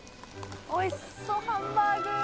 おいしそうハンバーグ。